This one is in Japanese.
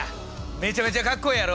めちゃめちゃかっこええやろ！